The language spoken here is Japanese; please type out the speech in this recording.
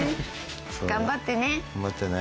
頑張ってね。